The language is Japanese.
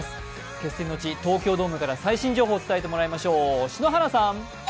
決戦の地、東京ドームから最新情報をつたえてもらいましょう。